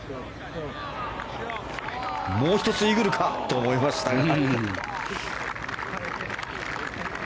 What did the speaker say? もう１つイーグルかと思いましたが。